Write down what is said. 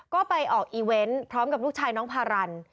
ก็ไปออกอีเวนต์พร้อมกับลูกชายน้องพารัน